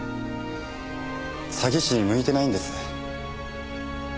詐欺師に向いてないんです。